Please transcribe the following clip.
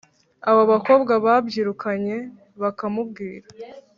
Abo bakobwa babyirukanye bakamubwira